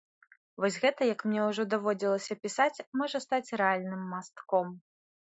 Вось гэта, як мне ўжо даводзілася пісаць, можа стаць рэальным мастком.